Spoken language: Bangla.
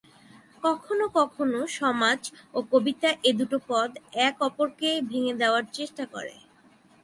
কখনো কখনো "সমাজ" ও "কবিতা" এ দুটো পদ এক অপরকে ভেঙে দেয়ার চেষ্টা করে।